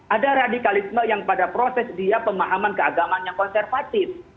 ada radikalisme yang pada proses dia pemahaman keagamaan yang konservatif